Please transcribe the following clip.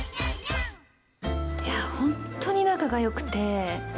いや本当に仲がよくて。